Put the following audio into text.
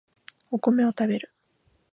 お米を食べる